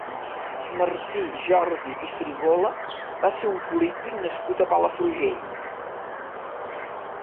Martí Jordi i Frigola va ser un polític nascut a Palafrugell.